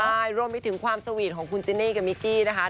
ใช่รวมไปถึงความสวีทของคุณจินนี่กับมิกกี้นะคะ